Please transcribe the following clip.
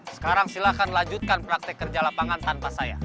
sekarang silahkan lanjutkan praktek kerja lapangan tanpa saya